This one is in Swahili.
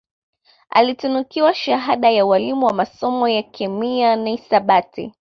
Alitunukiwa shahada ya ualimu masomo ya kemiana hisabati